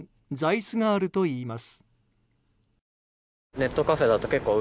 座椅子があるといいます。